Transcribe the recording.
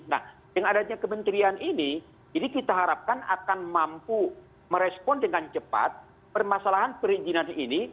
nah dengan adanya kementerian ini ini kita harapkan akan mampu merespon dengan cepat permasalahan perizinan ini